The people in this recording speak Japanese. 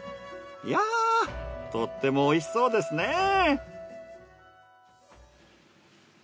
いやとっても美味しそうですね！